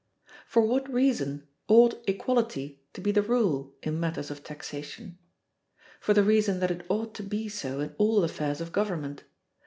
For what reason ought equality to be the rule in matters of taxation? For the reason that it ought to be so in all affairs of government.